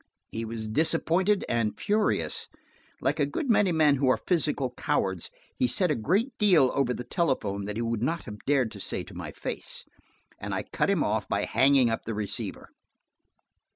He was disappointed and furious; like a good many men who are physical cowards, he said a great deal over the telephone that he would not have dared to say to my face, and I cut him off by hanging up the receiver.